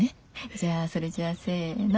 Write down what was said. じゃあそれじゃあせの。